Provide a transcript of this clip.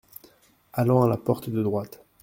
Allant à la porte de droite.